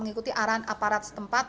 mengikuti arahan aparat setempat